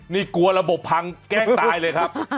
นี่กลัวระบบพังแกล้งตายเลยครับ